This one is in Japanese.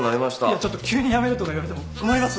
いやちょっと急に辞めるとか言われても困ります。